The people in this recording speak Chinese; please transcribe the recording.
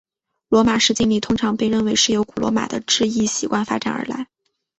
罗马式敬礼通常被认为是由古罗马的致意习惯发展而来。